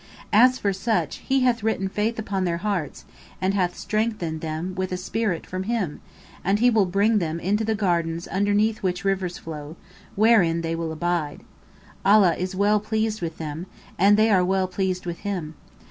As for such, He hath written faith upon their hearts and hath strengthened them with a Spirit from Him, and He will bring them into Gardens underneath which rivers flow, wherein they will abide. Allah is well pleased with them, and they are well pleased with Him.